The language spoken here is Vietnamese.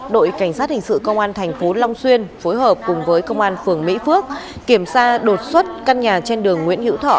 đội cảnh sát hình sự công an thành phố long xuyên phối hợp cùng với công an phường mỹ phước kiểm tra đột xuất căn nhà trên đường nguyễn hữu thọ